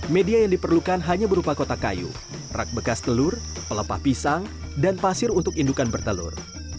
media yang diperlukan hanya berupa kotak kayu rak bekas telur pelepah pisang dan pasir untuk indukan bertelur